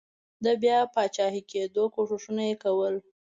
د بیا پاچاکېدلو کوښښونه یې کول.